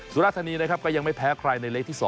สุราธานีนะครับก็ยังไม่แพ้ใครในเลขที่๒